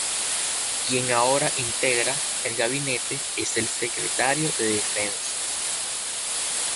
Quien ahora integra el gabinete es el Secretario de Defensa.